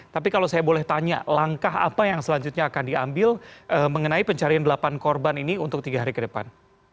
tapi kalau saya boleh tanya langkah apa yang selanjutnya akan diambil mengenai pencarian delapan korban ini untuk tiga hari ke depan